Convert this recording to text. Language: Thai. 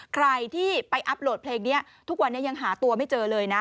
ใครที่ไปอัพโหลดเพลงนี้ทุกวันนี้ยังหาตัวไม่เจอเลยนะ